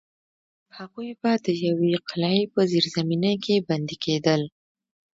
هغوی به د یوې قلعې په زیرزمینۍ کې بندي کېدل.